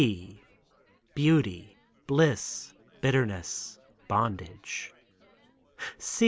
B — Beauty — Bliss — Bitterness — Bondage.